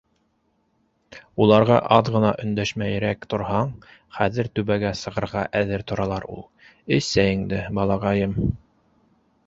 Уларға аҙ ғына өндәшмәйерәк торһаң, хәҙер түбәгә сығырға әҙер торалар ул. Эс сәйеңде, балаҡайым.